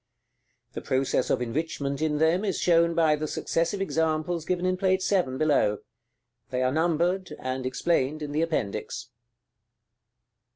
The process of enrichment in them is shown by the successive examples given in Plate VII., below. They are numbered, and explained in the Appendix.